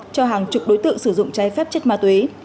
cho hàng chục đối tượng sử dụng trái phép chất ma túy